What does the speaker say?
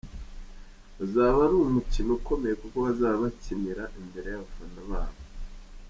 Uzaba ari umukino ukomeye, kuko bazaba bakinira imbere y’abafana babo.